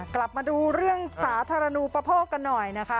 กลับมาดูเรื่องสาธารณูปโภคกันหน่อยนะคะ